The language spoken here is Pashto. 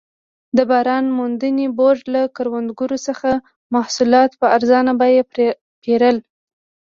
د بازار موندنې بورډ له کروندګرو څخه محصولات په ارزانه بیه پېرل.